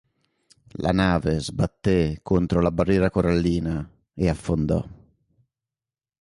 La nave sbatté contro la barriera corallina e affondò.